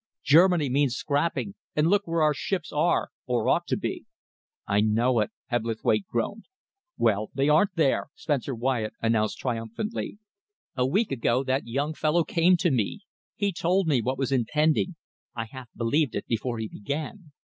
Germany means scrapping, and look where our ships are, or ought to be." "I know it," Hebblethwaite groaned. "Well, they aren't there!" Spencer Wyatt announced triumphantly. "A week ago that young fellow came to me. He told me what was impending. I half believed it before he began.